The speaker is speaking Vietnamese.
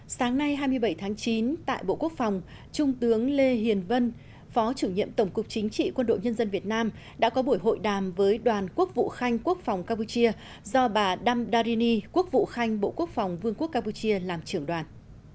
sáng nay hai mươi bảy tháng chín tại bộ quốc phòng trung tướng lê hiền vân phó chủ nhiệm tổng cục chính trị quân đội nhân dân việt nam đã có buổi hội đàm với đoàn quốc vụ khanh quốc phòng campuchia do bà dam darini quốc vụ khanh bộ quốc phòng vương quốc campuchia làm trưởng đoàn